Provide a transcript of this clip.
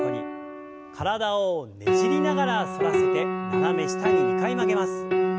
体をねじりながら反らせて斜め下に２回曲げます。